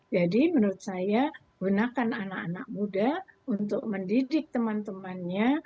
jadi menurut saya gunakan anak anak muda untuk mendidik teman temannya